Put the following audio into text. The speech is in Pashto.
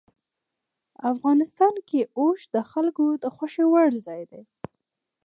افغانستان کې اوښ د خلکو د خوښې وړ ځای دی.